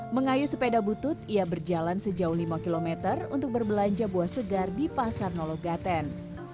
mengayu sepeda butut ia berjalan sejauh lima km untuk berbelanja buah segar di pasar nologaten